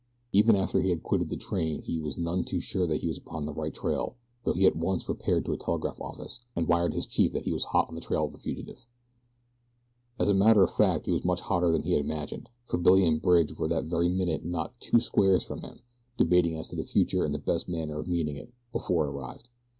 Even after he had quitted the train he was none too sure that he was upon the right trail though he at once repaired to a telegraph office and wired his chief that he was hot on the trail of the fugitive. As a matter of fact he was much hotter than he imagined, for Billy and Bridge were that very minute not two squares from him, debating as to the future and the best manner of meeting it before it arrived.